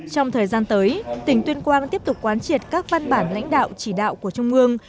trong thời gian tới tỉnh tuyên quang tiếp tục quán triệt các văn bản lãnh đạo chỉ đạo của trung ương